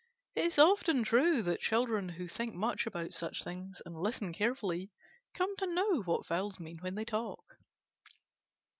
It is often true that children who think much about such things and listen carefully come to know what fowls mean when they talk.